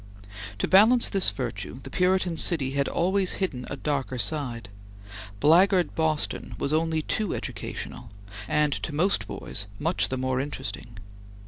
To balance this virtue, the Puritan city had always hidden a darker side. Blackguard Boston was only too educational, and to most boys much the more interesting.